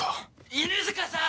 犬塚さん！